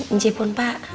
ince pun pak